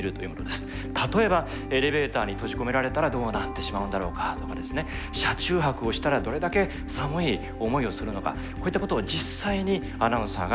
例えばエレベーターに閉じ込められたらどうなってしまうんだろうかとか車中泊をしたらどれだけ寒い思いをするのかこういったことを実際にアナウンサーが体験をします。